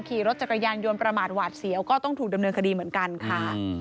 ขี่รถจักรยานยนต์ประมาทหวาดเสียวก็ต้องถูกดำเนินคดีเหมือนกันค่ะ